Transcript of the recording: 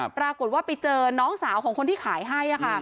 ปรากฏว่าไปเจอน้องสาวของคนที่ขายให้